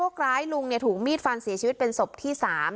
คล้ายลุงถูกมีดฟันเสียชีวิตเป็นศพที่๓